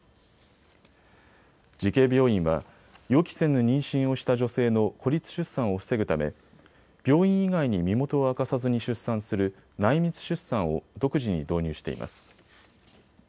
慈恵病院は予期せぬ妊娠をした女性の孤立出産を防ぐため病院以外に身元を明かさずに出産する内密出産を独自に導入しています。